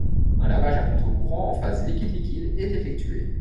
Un lavage à contre-courant en phase liquide-liquide est effectué.